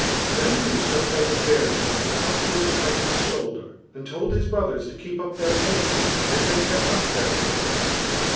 Then Naois placed Deirdre on the topmost height of his shoulder, and told his brothers to keep up their pace, and they kept up their pace.